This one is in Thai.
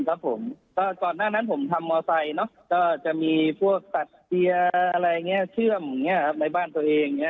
ก่อนหน้านั้นผมทำมอเตอร์ไซด์จะมีพวกตัดเตียร์อะไรเชื่อมในบ้านตัวเอง